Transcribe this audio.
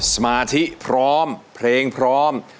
สมาธิพร้อมเพลงพร้อม